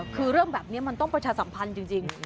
คือเรื่องแบบนี้มันต้องประชาสัมพันธ์จริง